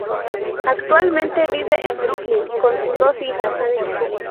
Actualmente vive en Brooklyn con sus dos hijas.